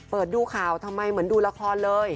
เปิดดูข่าวทำไมเหมือนดูละครเลย